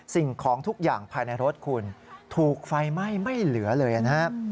สิ่งของทุกอย่างภายในรถคุณถูกไฟไหม้ไม่เหลือเลยนะครับ